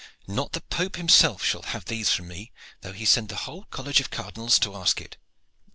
Not the Pope himself shall have these from me, though he sent the whole college of cardinals to ask it.